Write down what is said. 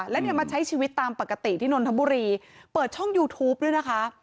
แล้วเนี่ยมาใช้ชีวิตตามปกติที่นนทบุรีเปิดช่องยูทูปด้วยนะคะ